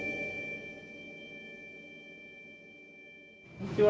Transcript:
こんにちは。